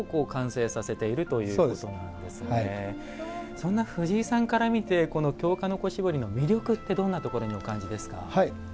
そんな藤井さんから見て京鹿の子絞りの魅力ってどんなところにお感じですか？